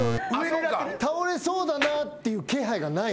倒れそうだなっていう気配がない。